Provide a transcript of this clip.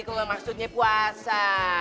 kalau maksudnya puasa